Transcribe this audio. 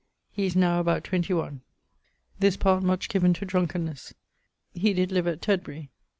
He is now about 21. [XCIV.] This part much given to drunkennes. [XCV.] He did live at Tedbury.